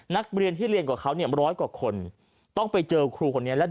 นักเรียนที่เรียนกว่าเขาเนี่ยร้อยกว่าคนต้องไปเจอครูคนนี้แล้ว